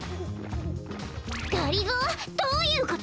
がりぞーどういうこと？